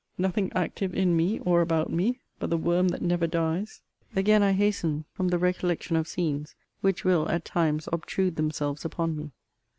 Nothing active in me, or about me, but the worm that never dies. Again I hasten from the recollection of scenes, which will, at times, obtrude themselves upon me.